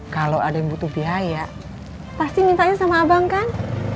kalau ada yang butuh biaya pasti mintanya sama abang kan